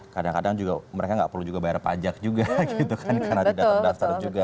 kadang kadang juga mereka nggak perlu juga bayar pajak juga gitu kan karena tidak terdaftar juga